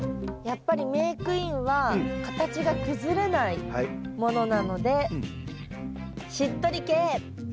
やっぱりメークインは形が崩れないものなのでしっとり系。